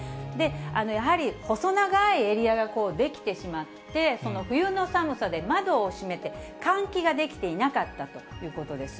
やはり細長いエリアが出来てしまって、冬の寒さで窓を閉めて、換気ができていなかったということです。